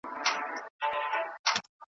د خپل وطن ګیدړه د بل وطن تر زمري ښه ده